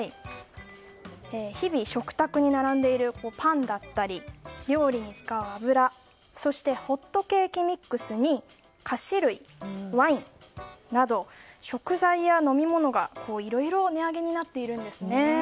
日々、食卓に並んでいるパンだったり、料理に使う油そしてホットケーキミックスに菓子類ワインなど、食材や飲み物がいろいろ値上げになっているんですね。